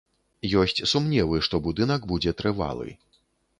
Ёсць сумневы, што будынак будзе трывалы.